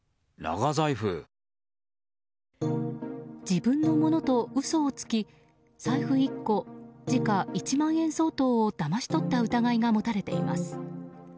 自分のものと嘘をつき財布１個時価１万円相当をだまし取った疑いが持たれています。